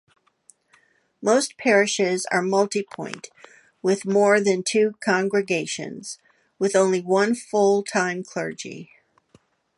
Most parishes are multipoint -with more than two congregations- with only one full-time clergy.